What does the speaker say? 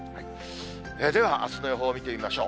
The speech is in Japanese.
ではあすの予報を見てみましょう。